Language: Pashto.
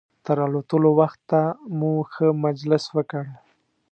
تر الوتلو وخته مو ښه مجلس وکړ.